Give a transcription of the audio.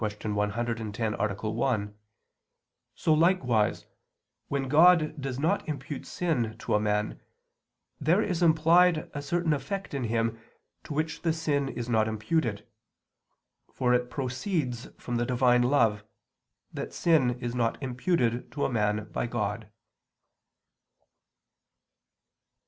110, A. 1), so likewise, when God does not impute sin to a man, there is implied a certain effect in him to whom the sin is not imputed; for it proceeds from the Divine love, that sin is not imputed to a man by God.